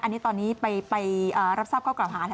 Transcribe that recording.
อันนี้ตอนนี้ไปรับทราบข้อกล่าวหานะ